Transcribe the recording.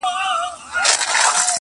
شرنګ د ربابونو له مغان سره به څه کوو -